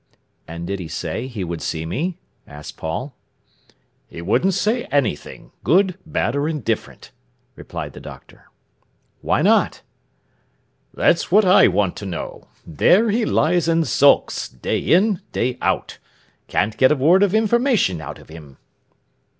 "And did he say he would see me?" asked Paul. "He wouldn't say anything—good, bad or indifferent," replied the doctor. "Why not?" "That's what I want to know. There he lies and sulks, day in, day out. Can't get a word of information out of him."